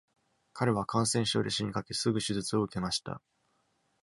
彼は感染症で死にかけ、すぐ手術を受けました。